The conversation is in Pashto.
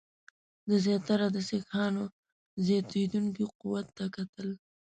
ده زیاتره د سیکهانو زیاتېدونکي قوت ته کتل.